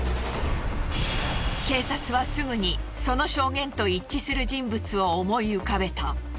警察はすぐにその証言と一致する人物を思い浮かべた。